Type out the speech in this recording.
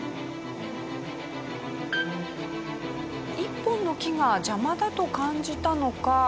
１本の木が邪魔だと感じたのか